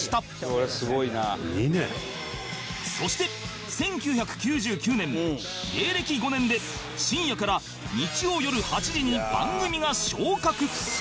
そして１９９９年芸歴５年で深夜から日曜よる８時に番組が昇格